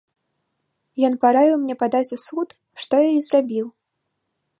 Ён параіў мне падаць у суд, што я і зрабіў.